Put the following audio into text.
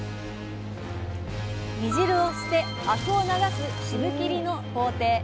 煮汁を捨てアクを流す「渋切り」の工程。